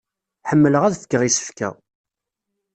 Ḥemmleɣ ad fkeɣ isefka.